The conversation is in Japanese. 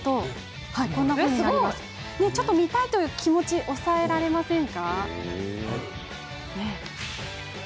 ちょっと見たいという気持ち抑えられませんか。